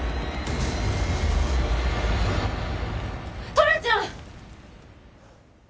トラちゃん！